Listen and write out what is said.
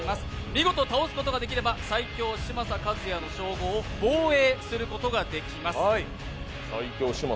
見事倒すことができれば、最強・嶋佐和也の称号を防衛することができます。